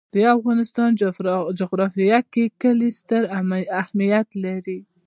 د افغانستان جغرافیه کې کلي ستر اهمیت لري.